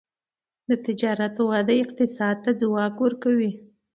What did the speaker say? د تجارت وده اقتصاد ته ځواک ورکوي.